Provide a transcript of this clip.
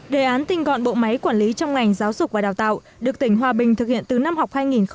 đề án tinh gọn bộ máy quản lý trong ngành giáo dục và đào tạo được tỉnh hòa bình thực hiện từ năm học hai nghìn một mươi hai nghìn hai mươi